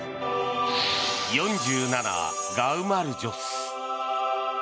４７ガウマルジョス。